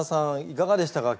いかがでしたか？